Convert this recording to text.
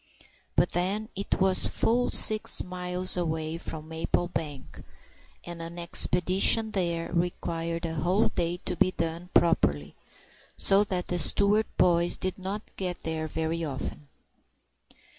But then it was full six miles away from Maplebank, and an expedition there required a whole day to be done properly, so that the Stewart boys did not get there very often.